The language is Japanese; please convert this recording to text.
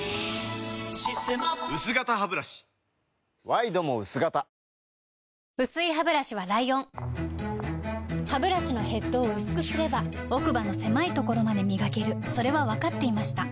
ワイドも薄型薄いハブラシはライオンハブラシのヘッドを薄くすれば奥歯の狭いところまで磨けるそれは分かっていました